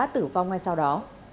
tử vong ngay sau đó